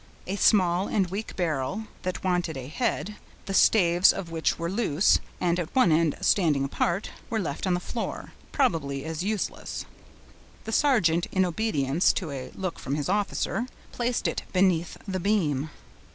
A small and weak barrel, that wanted a head, the staves of which were loose, and at one end standing apart, was left on the floor, probably as useless. The sergeant, in obedience to a look from his officer, placed it beneath the beam.